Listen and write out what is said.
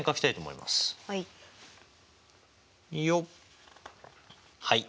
よっはい。